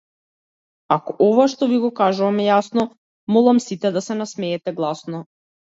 Ако ова што ви го кажувам е јасно молам сите да се насмеете гласно.